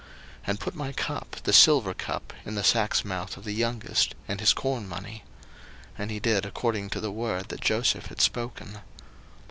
01:044:002 And put my cup, the silver cup, in the sack's mouth of the youngest, and his corn money. And he did according to the word that Joseph had spoken.